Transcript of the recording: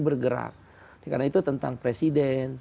bergerak karena itu tentang presiden